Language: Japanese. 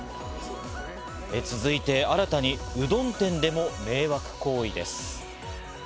続いて、新たにうどん店でも迷惑行為です。